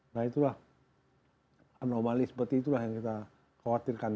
nah itulah anomali seperti itulah yang kita khawatirkan